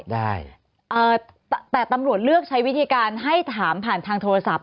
ได้เอ่อแต่ตำรวจเลือกใช้วิธีการให้ถามผ่านทางโทรศัพท์